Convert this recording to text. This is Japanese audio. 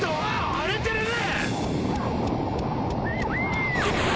荒れてるね。